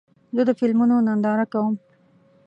زه د فلمونو ننداره کوم.